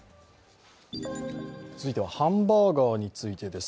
続いてはハンバーガーについてです。